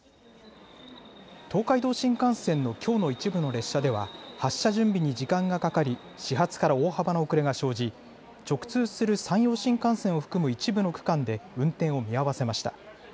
東海道新幹線のきょうの一部の列車では発車準備に時間がかかり始発から大幅な遅れが生じ直通する山陽新幹線を含む一部の区間で運転を見合わせました。